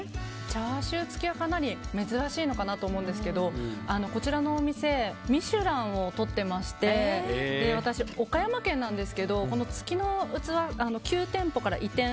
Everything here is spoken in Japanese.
チャーシュー付きはかなり珍しいのかなと思うんですけどこちらのお店「ミシュラン」を取っていまして私岡山県なんですけど月のうつわ、９店舗から移転。